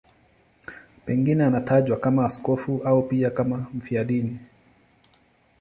Pengine anatajwa kama askofu au pia kama mfiadini.